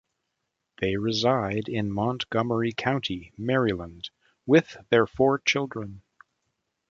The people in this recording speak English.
They reside in Montgomery County, Maryland with their four children.